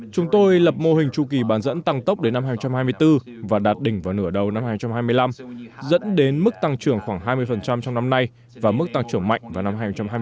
chúng tôi lập mô hình chu kỳ bán dẫn tăng tốc đến năm hai nghìn hai mươi bốn và đạt đỉnh vào nửa đầu năm hai nghìn hai mươi năm dẫn đến mức tăng trưởng khoảng hai mươi trong năm nay và mức tăng trưởng mạnh vào năm hai nghìn hai mươi